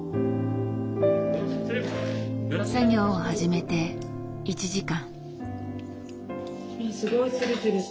作業を始めて１時間。